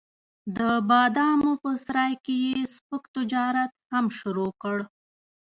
د بادامو په سرای کې یې سپک تجارت هم شروع کړ.